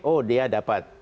oh dia dapat